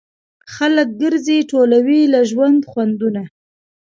خلک ګرځي ټولوي له ژوند خوندونه